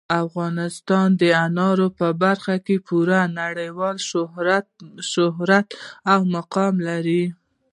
افغانستان د انارو په برخه کې پوره نړیوال شهرت او مقام لري.